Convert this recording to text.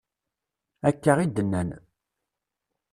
Akka i d-nnan.